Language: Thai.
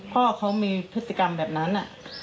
พ่อเขามีพฤติกรรมแบบนั้น